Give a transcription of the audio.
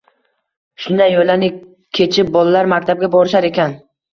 Shunday yo‘llarni kechib bolalar maktabga borishar ekan.